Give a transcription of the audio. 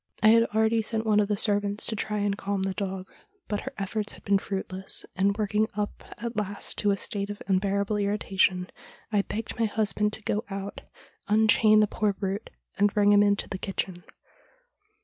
I had already sent one of the servants to try and calm the dog, but her efforts had been fruitless, and, worked up at last to a state of unbearable irritation, I begged my husband to go out, un chain the poor brute, and bring him into the kitchen.